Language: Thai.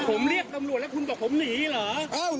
ผมเรียกตำรวจแล้วคุณบอกผมหนีเหรอ